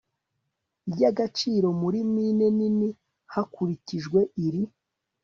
y agaciro muri mine nini hakurikijwe iri